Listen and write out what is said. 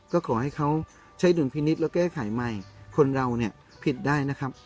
ก็ขอให้เขาใช้ดุลพินิษฐ์แล้วแก้ไขใหม่คนเราเนี่ยผิดได้นะครับ